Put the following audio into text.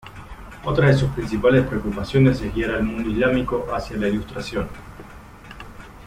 Otra de sus principales preocupaciones es guiar al mundo islámico hacia la ilustración.